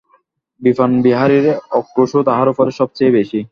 বিপিনবিহারীর আক্রোশও তাহার উপরে সব চেয়ে বেশি।